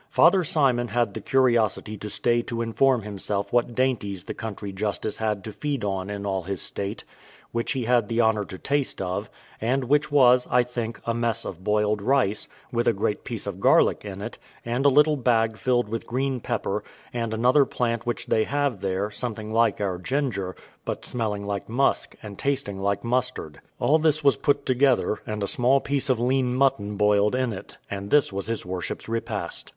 Father Simon had the curiosity to stay to inform himself what dainties the country justice had to feed on in all his state, which he had the honour to taste of, and which was, I think, a mess of boiled rice, with a great piece of garlic in it, and a little bag filled with green pepper, and another plant which they have there, something like our ginger, but smelling like musk, and tasting like mustard; all this was put together, and a small piece of lean mutton boiled in it, and this was his worship's repast.